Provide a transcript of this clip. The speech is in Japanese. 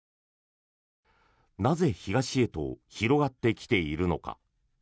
なぜ東へと広がってきているのか。